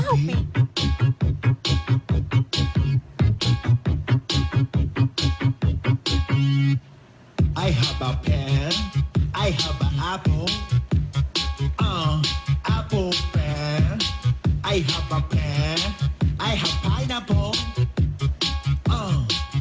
น้ำนี้มักเห็นเปล่าพี่